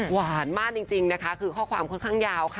หวานมากจริงนะคะคือข้อความค่อนข้างยาวค่ะ